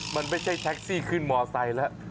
มันไม่ใช่แท็กซี่ขึ้นมอไซค์แล้ว